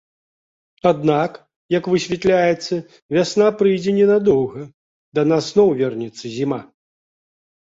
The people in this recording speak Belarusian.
Аднак, як высвятляецца, вясна прыйдзе ненадоўга, да нас зноў вернецца зіма.